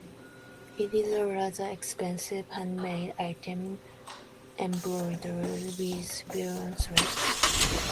It is a rather expensive handmade item embroidered with bullion threads.